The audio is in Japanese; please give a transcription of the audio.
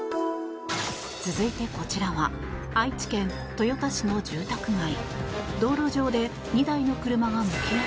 続いて、こちらは愛知県豊田市の住宅街。